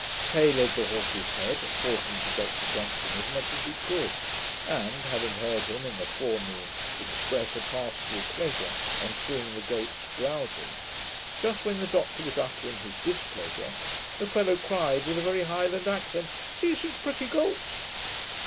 Hay led the horse's head, talking to Dr Johnson as much as he could; and (having heard him, in the forenoon, express a pastoral pleasure on seeing the goats browzing) just when the Doctor was uttering his displeasure, the fellow cried, with a very Highland accent, 'See such pretty goats!'